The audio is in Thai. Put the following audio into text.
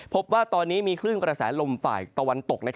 พบว่าตอนนี้มีคลื่นกระแสลมฝ่ายตะวันตก